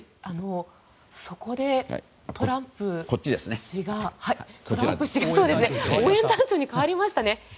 そこで、トランプ氏が応援団長に変わりましたね。